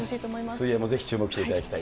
水泳もぜひ注目していただきたい。